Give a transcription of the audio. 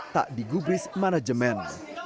tak digubris manajemen